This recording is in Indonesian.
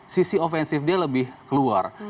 sisi ofensif dia lebih keluar